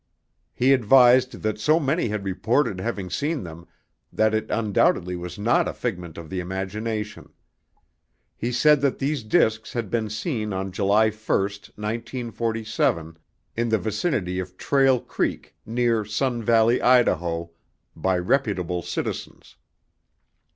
He advised that so many had reported having seen them that it undoubtedly was not a figment of the imagination. He said that these discs had been seen on July 1, 1947, in the vicinity of Trail Creek near Sun Valley, Idaho, by reputable citizens.